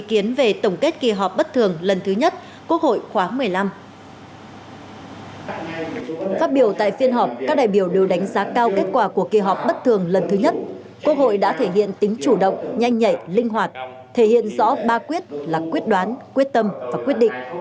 quốc hội đã thể hiện tính chủ động nhanh nhảy linh hoạt thể hiện rõ ba quyết là quyết đoán quyết tâm và quyết định